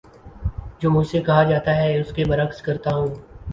جو مجھ سے کہا جاتا ہے اس کے بر عکس کرتا ہوں